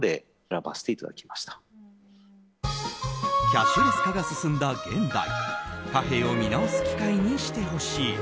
キャッシュレス化が進んだ現代貨幣を見直す機会にしてほしい。